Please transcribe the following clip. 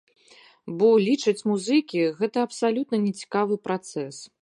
Бо, лічаць музыкі, гэта абсалютна не цікавы працэс.